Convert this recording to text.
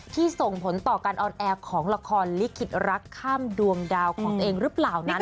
ส่งผลต่อการออนแอร์ของละครลิขิตรักข้ามดวงดาวของตัวเองหรือเปล่านั้น